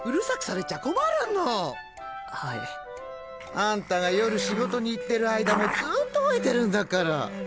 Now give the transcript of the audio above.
あんたが夜仕事に行ってる間もずっと吠えてるんだから。